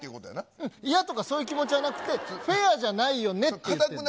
ううん、嫌とかそういう気持ちじゃなくて、フェアじゃないよねって言ってるの。